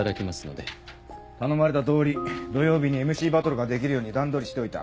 頼まれたとおり土曜日にＭＣバトルができるように段取りしといた。